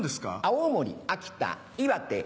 青森秋田岩手